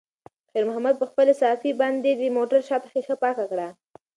خیر محمد په خپلې صافې باندې د موټر شاته ښیښه پاکه کړه.